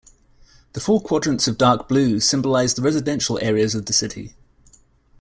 The four quadrants of dark blue symbolize the residential areas of the city.